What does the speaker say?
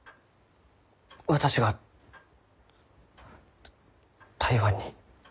私が台湾に？